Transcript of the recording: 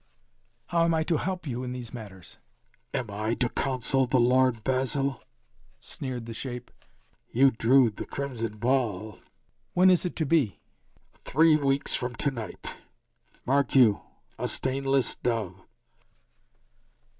"How am I to help you in these matters?" "Am I to counsel the Lord Basil?" sneered the shape. "You drew the crimson ball." "When is it to be?" "Three weeks from to night. Mark you a stainless dove!"